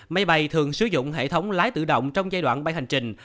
máy bay thường sử dụng hệ thống lái tự động trong giai đoạn bay hành trình